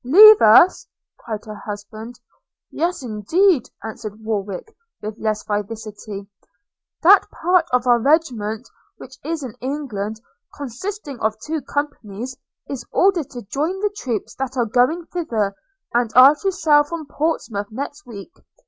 leave us!' cried her husband. – 'Yes, indeed!' answered Warwick with less vivacity: 'That part of our regiment which is in England, consisting of two companies, is ordered to join the troops that are going thither, and are to sail from Portsmouth next week.